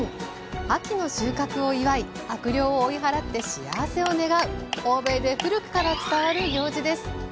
秋の収穫を祝い悪霊を追い払って幸せを願う欧米で古くから伝わる行事です。